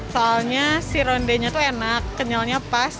soalnya si ronde nya tuh enak kenyalnya pas